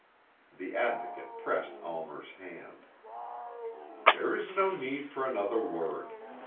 The Advocate pressed Almer's hand. "There is no need for another word.